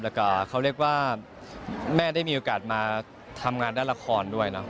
แล้วก็เขาเรียกว่าแม่ได้มีโอกาสมาทำงานด้านละครด้วยเนอะ